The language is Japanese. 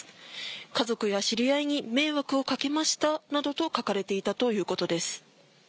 家族や知り合いに迷惑をかけましたなどと書かれていたということです。